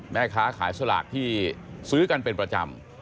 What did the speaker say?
แม่ค้าขายสลากที่ซื้อกันเป็นประจำ